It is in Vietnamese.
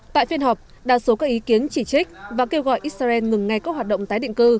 tại phiên họp đa số các ý kiến chỉ trích và kêu gọi israel ngừng ngay các hoạt động tái định cư